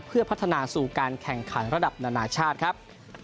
เพื่อพัฒนาสู่การแข่งขันระดับนานาชาติครับ